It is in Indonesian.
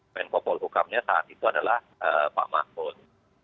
yang popol hukumnya saat itu adalah pak mahfud